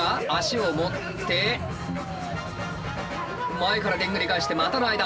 前からでんぐり返して股の間。